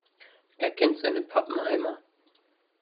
Er kennt seine Pappenheimer.